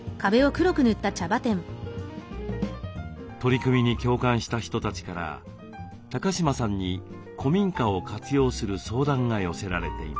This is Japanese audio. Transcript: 取り組みに共感した人たちから高島さんに古民家を活用する相談が寄せられています。